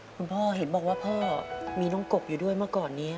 คุณพ่อเห็นบอกว่าพ่อมีน้องกบอยู่ด้วยเมื่อก่อนนี้